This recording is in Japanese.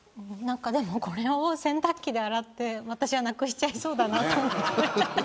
これを洗濯機で洗って私はなくしちゃいそうだなと思って。